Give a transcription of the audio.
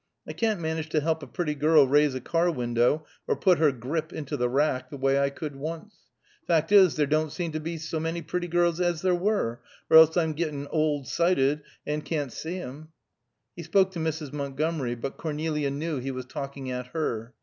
I can't manage to help a pretty girl raise a car window, or put her grip into the rack, the way I could once. Fact is, there don't seem to be so many pretty girls as there were, or else I'm gettin' old sighted, and can't see 'em." He spoke to Mrs. Montgomery, but Cornelia knew he was talking at her.